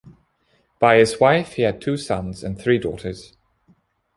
By his wife, he had two sons, and three daughters.